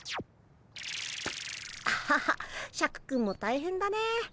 ハハシャクくんも大変だね。